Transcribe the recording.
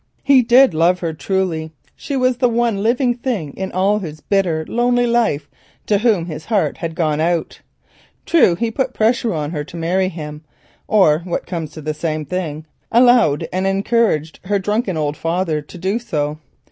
He did love her truly; she was the one living thing in all his bitter lonely life to whom his heart had gone out. True, he put pressure on her to marry him, or what comes to the same thing, allowed and encouraged her drunken old father to do so.